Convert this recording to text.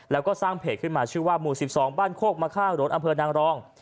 แล้วก็สร้างเพจขึ้นมาชื่อว่าหมู่๑๒บ้านโคกมะข้างรถอำเภอนางรอง